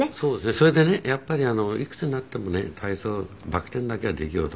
それでねやっぱりいくつになってもね体操バク転だけはできようと。